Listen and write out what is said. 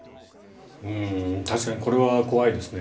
確かにこれは怖いですね。